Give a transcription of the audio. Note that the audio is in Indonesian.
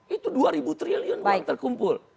itu dua ribu triliun yang terkumpul